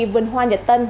vườn hoa nhật tân